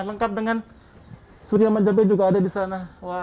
lengkap dengan surya manjambe juga ada di sana